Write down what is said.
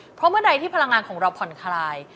เพราะเมื่อใดที่พลังงานของเราผ่อนคลาย